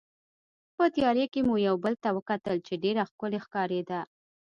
په تیارې کې مو یو بل ته وکتل چې ډېره ښکلې ښکارېده.